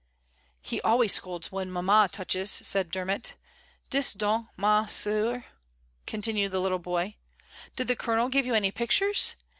"He always scolds when mamma touches," said Dermot. "2?/j donc^ ma sceur continued the little boy, "did the Colonel give you any pictures?"